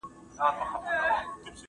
کتابونه د زده کوونکي له خوا وړل کيږي!